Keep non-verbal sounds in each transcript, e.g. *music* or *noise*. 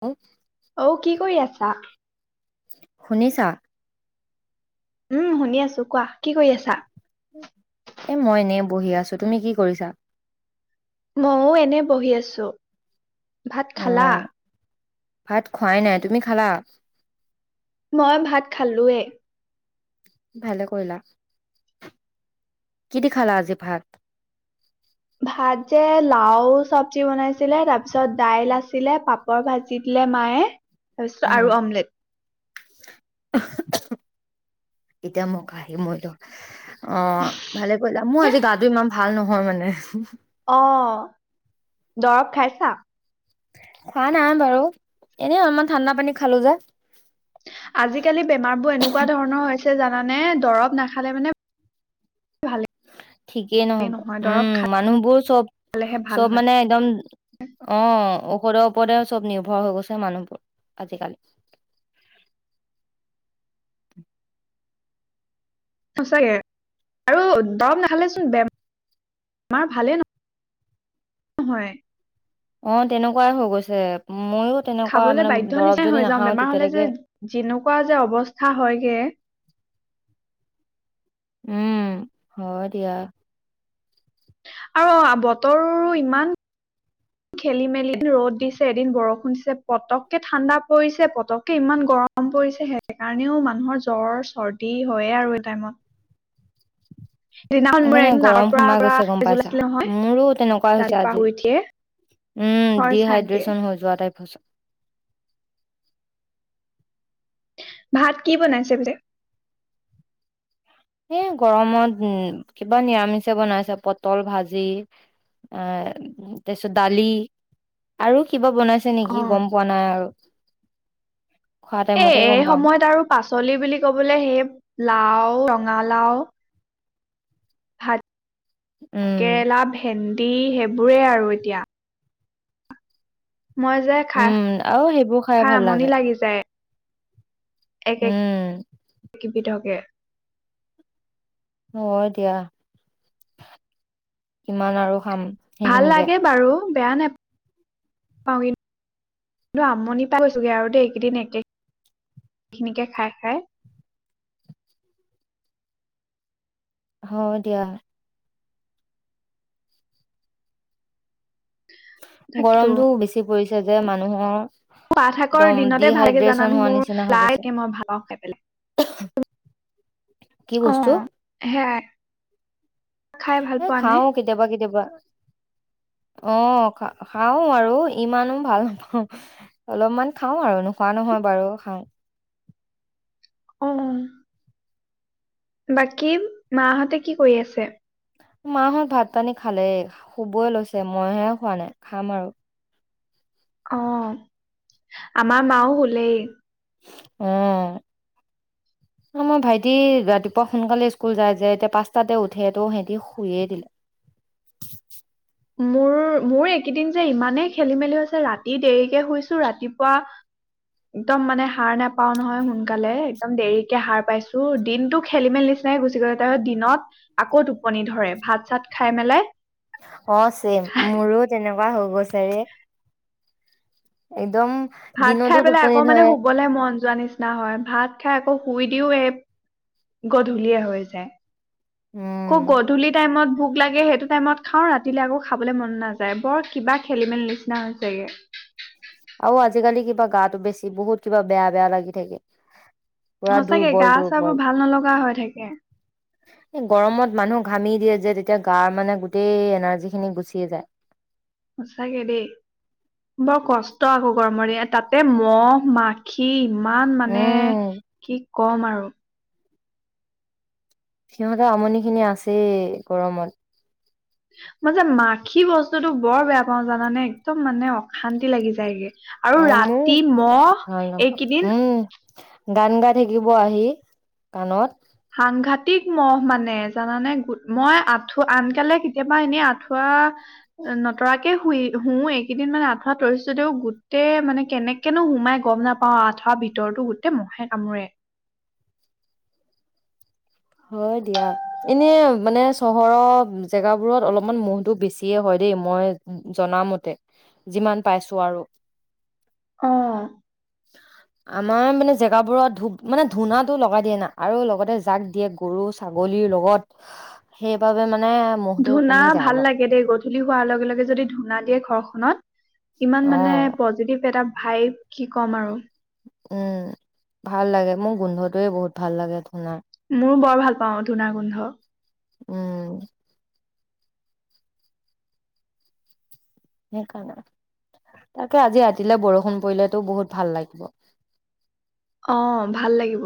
হ *unintelligible* অ, কি কৰি আছা। শুনিছা। উম শুনি আছো কোৱা, কি কৰি আছা? এ মই এনেই বহি আছো। তুমি কি কৰিছা? মউ এনে বহি আছো। ভাত অ খালা? ভাত খোৱাই নাই তুমি খালা? মই ভাত খালোৱে। ভালে কৰিলা। কিদি খালা আজি ভাত? ভাত যে লাও চবজি বনাইছিলে। তাৰপিছত দাইল আছিলে পাপৰ ভাজি দিলে মায়ে। তাৰপিছত উম আৰু অমলেট এতিয়া মোক আহি মইতো অ ভালে কৰিলা মোৰ আজি গাটো ইমান ভাল নহয় মানে হু হু অ দৰৱ খাইছা খা নাই বাৰু এনে অলমান ঠাণ্ডা পানী খালো যে আজিকালি বেমাৰ বোৰ এনেকুৱা ধৰণৰ ছে জানানে দৰৱ নাখালে মানে ভালেই ঠিকেই নহব নহয় দৰৱ উম মানুহবোৰ চব খালেহে ভাল চব হয় মানে একদম অ ঔষধৰ ওপদ চব নিৰ্ভৰ হৈ গৈছে মানুহবোৰ আজিকালি সচাকে আৰু দৰৱ নাখালে চোন বেম বেমাৰ ভালে নহয়। হয়। অ তেনেকুৱাই হৈ গৈছে ময়ো তেনেকুৱা খাবলৈ মানে বাধ্যয় দৰৱ নিচাই যদি হৈ যাওঁ নাখাও বেমাৰ হলে তেতিয়ালৈকে যে যেনেকুৱা যে অৱস্থা হয়গে উম হয় দিয়া আৰু বতৰো ইমান খেলি মেলি এদিন ৰ'দ দিছে এদিন বৰষুণ দিছে পতককে ঠাণ্ডা পৰিছে পতককে ইমান গৰম পৰিছে সেইকাৰণেও মানুহৰ জ্বৰ চৰ্দি হয়েই আৰু এই টাইমত সিদিনাখন মোৰ সেইকাৰণে একদম নাকৰ গৰম পৰা সোমাই পৰা গৈছে গম তেজ পাইছা ওলাইছিলে নহয় মোৰো তেনেকুৱাই হৈছে ৰাতিপুৱা শুই আজি উঠিয়ে উম হয় চাগে ডিহাইড্ৰেচন হৈ যোৱা টাইপ হৈছে ভাত কি বনাইছে বোলে। এ গৰমত উ কিবা নিৰামিষে বনাইছে পটল ভাজি এ তাৰ পিছত দালি আৰু কিবা বনাইছে আছে অ নেকি গম পোৱা নাই আৰু খোৱা এ টাইমতহে এ গম পাম সময়ত আৰু পাচলি বুলি কবলৈ সেই লাও ৰঙালাও ভাত উম কেৰেলা ভেণ্ দি সেইবোৰেই আৰু এতিয়া মই যে খাহ উম আৰু সেইবোৰ খাই খা ভাল আমনি লাগে লাগি যায়। এক এক উম কেপি থকে হ দিয়া কিমান আৰু খাম ভাল সেইখিনিকে লাগে বাৰু বেয়া নাপা পাওঁ কিন্ত কিন্তু আমনি পাই গৈছোগে আৰু দ এইকেইদিন একে এইখিনিকে খাই খাই হ দিয়া তাকেতো গৰমতটো বেছি কৰিছে যে মানুহৰ খোৱা থাকৰ একদম দিনতে ভালকে ডিহাইড্ৰেচন জানানে হোৱা মোৰ নিচিনা হৈ লাই গৈছে এ মই ভালওঁ খাই পেলাই কি অ বস্তু সেয়াই খাই ভাল এ পোৱা নে খাও কেতিয়াবা কেতিয়াবা অ খা খাও আৰু ইমানো ভাল নাপাওঁ অলপমান খাও আৰু নোখোৱা নহয় বাৰু খাওঁ অম বাকী মাহঁতে কি কৰি আছে মাহত ভাত পানী খালেই শুবই লৈছে মইহে খোৱা নাই খাম আৰু অ আমাৰ মাও হোঁলেই উম মই ভাইটি ৰাতিপুৱা সোনকালে স্কুল যায় যে এতিয়া পাঁচটাতে উঠে টো সিহতি শুইয়ে দিলে মোৰ মোৰ এইকেইদিন যে ইমানেই খেলি মেলি হৈছে ৰাতি দেৰিকে শুইছো ৰাতিপুৱা একদম মানে হাৰ নোপাও নহয় সোনকালে একদম দেৰিকে সাৰ পাইছো দিনতটো খেলি মেলি নিচিনাই গুচি গৈছে ত দিনত আকৌ টোপনি ধৰে ভাত চাত খাই মেলাই অ চেইম মোৰো তেনেক কোৱা হৈ গৈছে ৰে এই ভাত খাই পেলাই আকৌ মানে শুবলৈ মন যোৱা নিচিনা হয় ভাত খাই আকৌ শুই দিও এই গধূলীয়ে হৈ যায় উম খুব গধূলি টাইমত ভোক লাগে সেইটো টাইমত খাওঁ ৰাতিলেলৈ আকৌ খাবলৈ মন নাযায় বৰ কিবা খেলি‍ মেলি নিচিনা হৈছেগে আৰু আজিকালি কিবা গাটো বেছি বহুত কিবা বেয়া বেয়া লাগি থাকে পুৰা সচাকে দুৰ্বল গা চা দুৰ্বল বোৰ ভাল নলগা হৈ থাকে *inaudible* এই গৰমত মানুহ ঘামি দিয়ে যে তেতিয়া গাৰ মানে গোটেই এনাৰ্জি খিনি গুচিয়ে যায় সচাকে দেই বৰ কষ্ট আকৌ গৰমৰ দ তাতে মহ মাখি ইমান মানে উম কি কম আৰু সিহঁতেৰ আমনি খিনি আছেই গৰমত মই যে মাখি বস্তুতটো বৰ বেয়া পাও জানানে একদম মানে অশান্তি লাগি যায়গে আৰু উম মোৰ ৰাতি মহ ভাল নাপাওঁ এইকেইদিন উম গান গাই থাকিব আহি কাণত সাংঘাতিক মহ মানে জানানে মই আঠুৱা আনকালে কেতিয়াবা এনেই আঁঠুৱা নতৰাকে শুই শু এইকেইদিন মানে আঠুৱা তৰিছো দেও গোটেই মানে কেনেকেনো সোমাই গম নাপাও আঠুৱা ভিতৰতো গোটেই মহে কামোৰে হয় দিয়া এনেই মানে চহৰৰ জেগাবোৰত অলপমান মহটো বেছিয়ে হয় দেই মই জনামতে যিমান পাইছো আৰু অ আমাৰ মানে জেগাবোৰত ধু মানে ধূনাতটো লগাই দিয়ে না আৰু লগতে জাক দিয়ে গৰু ছাগলীৰ লগত সেইবাবে মানে মহটো ধূনা কমি যায় ভাল অলপ লাগে দেই গধূলি হোৱাৰ লগে লগে যদি ধূনা দিয়ে ঘৰ অত ইমান মানে অ পজিটিভ এটা ভাই কি ক'ম আৰু উম ভাল লাগে মোৰ গোন্ধটোৱে বহুত ভাল লাগে ধূনাৰ মোৰো বৰ ভাল পাওঁ ধূনাৰ গোন্ধ উম সেইকাৰণে তাকে আজি ৰাতিলে বৰষুণ পৰিলেতো বহুত ভাল লাগিব অ ভাল লাগিব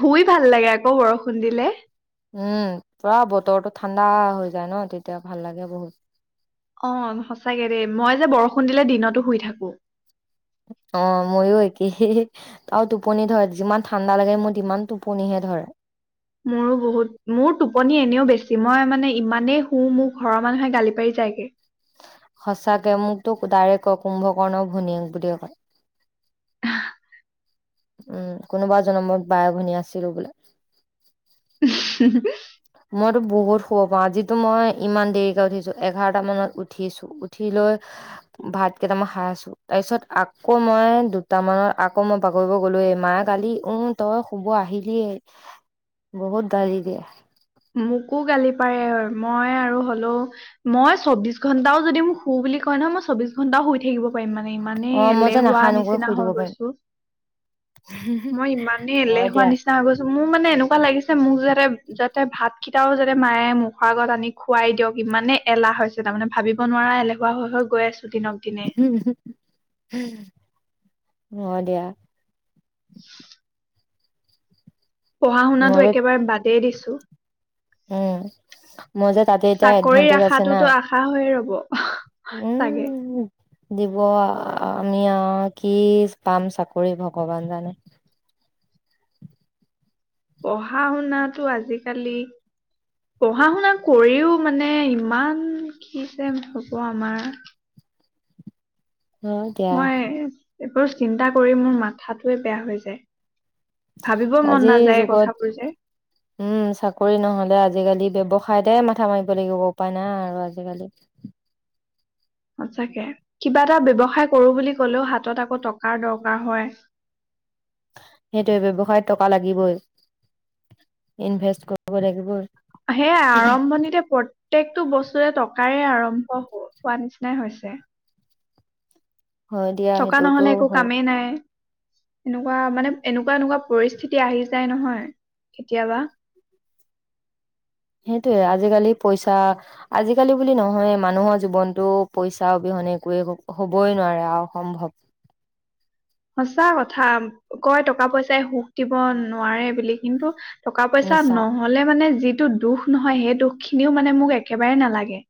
শুই ভাল লাগে আকৌ বৰষুণ দিলে উম পুৰা বতৰটো ঠাণ্ডা হৈ যায় ন তেতিয়া ভাল লাগে বহুত অ‌', সঁচাকে দেই মই যে, বৰষুণ দিলে দিনতো শুই থাকো। অ' ময়ো একেইহে আৰু টোপনি ধৰে যিমান ঠাণ্ডা লাগে মোৰ সিমান টোপনিহে ধৰে। মোৰো বহুত মোৰ টোপনি এনেও বেছি, মই মানে ইমানেই শুওঁ মোৰ ঘৰৰ মানুহে গালি পাৰি যায়গে। সঁচাকে মোক ত ডাৰেক্ট কয়, কুম্ভকৰ্ণ ভনীয়েক বুলিয়ে কয়। উম, কোনোবা জনমত বায়-ভনী আছিলো বোলে। *unintelligible* মইতো বহুত শুব পাওঁ, আজিতো মই ইমান দেৰিকে উঠিছোঁ। এঘাৰটা মানত উঠিছো, উঠি লৈ ভাত কেইটামান খায় আছোঁ, তাৰপিছত আকৌ মই দুটামানত আকৌ মই বাগৰিব গলোয়েই, মায়ে গালি উম, তই শুব আহিলিয়েই, বহুত গালি দিয়ে। মোকো গালি পাৰে, মই আৰু হ'লেও মই চৌবিশ ঘণ্টাও যদি মোক শু বুলি কয় নহয় মই চৌবিশ ঘন্টাও শুই থাকিব *unintelligible* মানে ইমানে, অ মই যে এলেহুৱা নাসানুকৈ নিচিনা শুই দিব হৈ পাৰিম গৈছো মই ইমানে হয় এলেহুৱা দিয়া নিচিনা হৈ গৈছো, মোৰ মানে এনেকু *unintelligible* লাগিছে মোক যাতে-যাত *unintelligible* ভাত কেইটাও যাতে মায়ে মুখৰ আগত আনি খুৱাই দিয়ক, ইমানে এলাহ হৈছে, তাৰমানে ভাবিব নোৱাৰা এলেহুৱা হৈ হৈ গৈ আছোঁ। হম হ হম। অ' দিয়া। *inaudible* পঢ়া শুনাতো মোৰ একেবাৰে বাদেই দিছো। *unintelligible* উম, মই যে তাতে এতিয়া চাকৰিৰ এডভানটেজ আছে না, আশাটোতো আশা হৈয়ে ৰব চাগে উম্। দিব আ, আমি আহ কি পাম চাকৰি, ‌ভগৱান জানে। পঢ়া-শুনটো আজিকালি, পঢ়া-শুনা কৰিও মানে ইমান কিজে হ'ব আমাৰ। হয় দিয়া। মই এইবোৰ চিন্তা কৰি, মোৰ মাথাটোৱে বেয়া হৈ যায়। ভাবিব মন আজিৰ নাযায় কথাবোৰ যুগত, যে উম, চাকৰি নহ'লে আজিকালি ব্যৱ *unintelligible* মাথা মাৰিব লাগিব। উপায় নাই, আৰু আজিকালি। সছাঁকে, কিবা এটা ব্যৱসায় কৰোঁ বুলি কলেও, হাতত আকৌ টকাৰ দৰকাৰ হয়। সেইটোৱে ব্যৱসায়ত টকা লাগিবই, ইনভেষ্ট কৰিব লাগিবই। সেয়াই আৰম্ভণিতে প্ৰ প্ৰত্যেকটো বস্তুৱে, টকাৰে আৰম্ভ হোৱা নিচিনাই হৈছে। হয় দিয়া টকা সেইটোতো নহ'লে, একো হয় কামেই নাই। এনেকুৱা মানে, এনেকুৱা-এনেকুৱা পৰিস্থিতি আহি যায় নহয় কেতিয়াবা, সেইটোৱেই আজিকালি পইচা, আজিকালি বুলি নহয়, মানুহৰ জীৱনতটো পইচা অবিহনে একোৱেই হবই নোৱাৰে আৰু অসম্ভৱ। সঁচা কথা, কয় টকা পইচাই সুখ দিব নোৱাৰে বুলি কিন্তু টকা পইচা মিছা নহলে মানে যি টো দুখ নহয়, সেই দুখ খিনিও মানে মোক একেবাৰে নালাগে।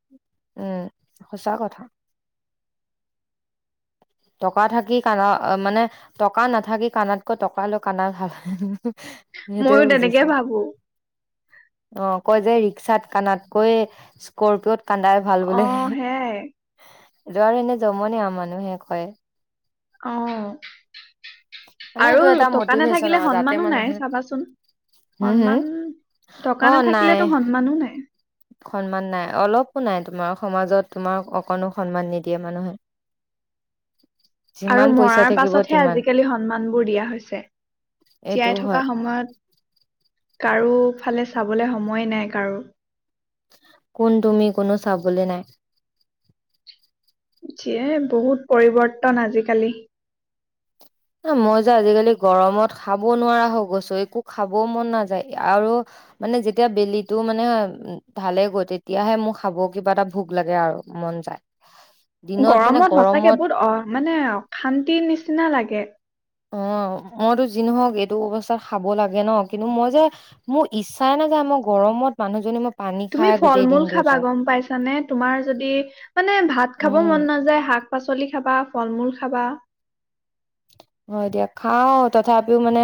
উম, সঁচা কথা। টকা থাকি কাানা, মানে টকা নাথাকি কাানাতকৈ টকা লৈ কানা ভাল। সেইটোয়েই ময়ো তেনেকে বুজিছা, ভাবো অ', কয় যে চাত কানাতকৈ স্কৰপিঅত কান্দাই ভাল অ বোলে। সেয়াই য আৰু এনে জম ন আৰু মানুহে হয় অ *unintelligible* *unintelligible* মানে আৰু এইটো এটা টকা মটিভেশ্যন নাথাকিলে আৰু যাতে সন্মানো নাই মানুহে চাবাচোন হম হম সন্মান টকা অ নাই নাথাকিলেতো সন্মানো নাই। সন্মান নাই অলপো নাই তোমাৰ সমাজত তোমাক অকণো সন্মান নিদিয়ে মানুহে আৰু যিমান পইচা মৰাৰ থাকিব পাছতহে তিমান আজিকালি সন্মানবোৰ দিয়া হৈছে এইটো জীয়াই থকা হয় সময়ত কাৰো ফালে চাবলৈ সময়ে নাই কাৰো কোন তুমি কোনো চাবলে নাই যিয়ে বহুত পৰিৱৰ্তন আজিকালি ন মই যে আজিকালি গৰমত খাব নোৱাৰা হৈ গৈছো একো খাবও মন নাযায় আৰু মানে যেতিয়া বেলিটো মানে ঢালে গৈ তেতিয়াহে মোৰ খাব কিবা এটা ভোক লাগে আৰু মন যায়। দিনত মানে গৰমত সচাকে বহুত অ মানে অশান্তিৰ নিচিনা লাগে অ মইতো যি নহওক এইটো অৱস্থাত খাব লাগে ন কিন্তু মই যে মোৰ ইচ্ছাই নাই যে মই গৰমত মানুহজনী মই পানী তুমি খাই ফল গোটেই মূল দিনটো খাবা যায় গম পাইছানে তোমাৰ যদি মানে ভাত খাব উম মন নাযায় শাক শাক পাচলি খাবা ফল-মূল খাবা হয় এ দিয়া খাও তথাপিও মানে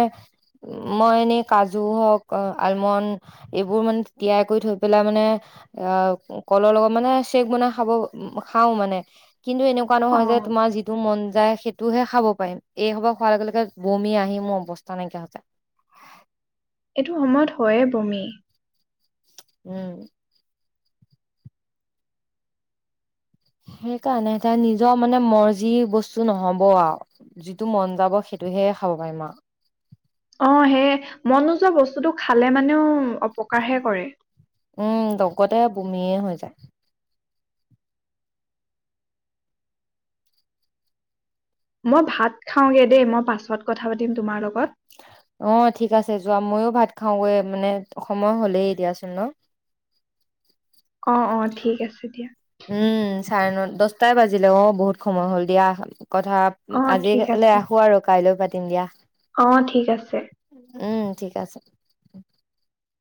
মই এনেই কাজু হওক আলমণ্ড এইবোৰ মানে তিয়াই কৰি থৈ পেলাই মানে আহ কলৰ লগত মানে চেক বনাই খাব খাও মানে কিন্তু এনেকুৱা অ নহয় যে তোমাৰ যিটো মন যায় সেইটোহে খাব পাৰিম এই সবা খোৱাৰ লগে লগে বমি আহি মোৰ অৱস্থা নাইকিয়া হৈ হৈছে। এইটো সমত হয়ে বমি উম *inaudible* সেইকাৰণে এতিয়া নিজৰ মানে মৰ্জি বস্তু নহব আও যিটো মন যাব সিটোহে খাব পাৰিম আও অ সেয়ে মন নোযোৱা বস্তুটো খালে মানেও অপকাৰহে কৰে উম লগতে বমিয়ে হৈ যায় মই ভাত খাওঁগে দেই মই পাছত কথা পাতিম তোমাৰ লগত অ ঠিক আছে যোৱা ময়ো ভাত খাওঁগৈ মানে সময় হ'লেই এতিয়াচোন ন অ অ ঠিক আছে দিয়া *inaudible* উম, চাৰে ন দছটাই বাজিলে অ বহুত সময় হ'ল দিয়া হ কথা অ আজি ঠিক কালি আছে আহো আৰু কাইলৈ পাতি তিমদিয়া অ ঠিক আছে ঠিক আছে